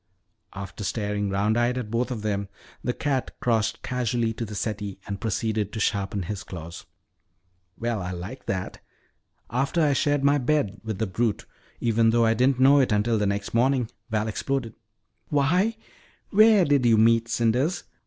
After staring round eyed at both of them, the cat crossed casually to the settee and proceeded to sharpen his claws. "Well, I like that! After I shared my bed with the brute, even though I didn't know it until the next morning," Val exploded. "Why, where did you meet Cinders?"